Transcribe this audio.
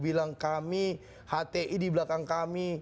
bilang kami hti di belakang kami